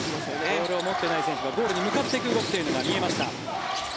ボールを持っていない選手がゴールへ向かっていく動きが見えました。